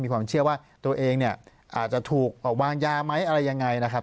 ความเชื่อว่าตัวเองเนี่ยอาจจะถูกวางยาไหมอะไรยังไงนะครับ